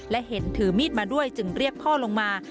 และเห็นถือมีดมาด้วยจึงเรียกพ่อลงมา